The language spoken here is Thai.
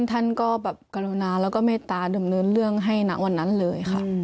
ท่านก็แบบกรุณาแล้วก็เมตตาดำเนินเรื่องให้ณวันนั้นเลยค่ะ